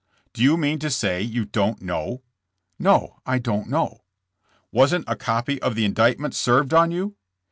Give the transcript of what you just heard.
"Do you mean to say you don't know?" "No, I don't know." "Wasn't a copy of the indictment served on you?"